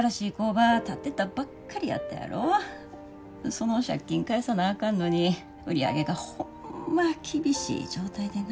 その借金返さなあかんのに売り上げがホンマ厳しい状態でな。